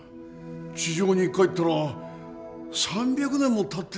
地上に帰ったら３００年もたってたなんて。